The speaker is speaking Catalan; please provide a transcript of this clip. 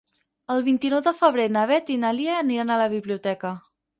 El vint-i-nou de febrer na Beth i na Lia aniran a la biblioteca.